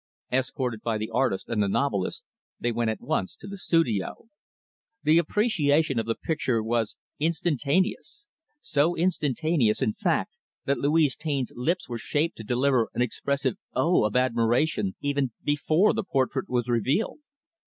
Escorted by the artist, and the novelist, they went at once to the studio. The appreciation of the picture was instantaneous so instantaneous, in fact, that Louise Taine's lips were shaped to deliver an expressive "oh" of admiration, even before the portrait was revealed.